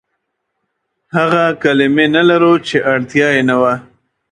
هغه کلمې نه لرو، چې اړتيا يې نه وه.